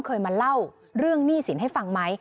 เคยมาเล่าเรื่องหนี้สินให้ฟังไหม